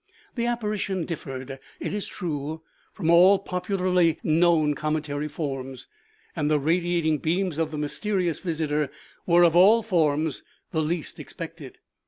The apparition differed, it is true, from all popularly known cometary forms, and the radiating beams of the mysterious visitor were, of all forms, the least expected.